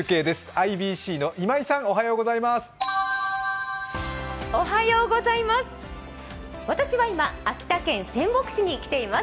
ＩＢＣの今井さんおはようございます。